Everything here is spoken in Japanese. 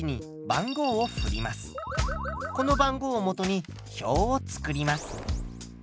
この番号をもとに表を作ります。